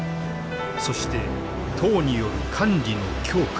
そして党による管理の強化。